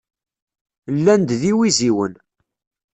Llan-d d yiwiziwen.